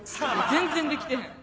全然できてへん。